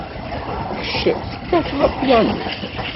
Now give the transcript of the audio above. Kecc tekkated apyanu.